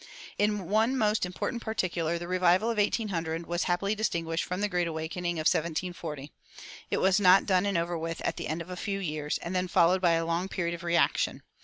In one most important particular the revival of 1800 was happily distinguished from the Great Awakening of 1740. It was not done and over with at the end of a few years, and then followed by a long period of reaction.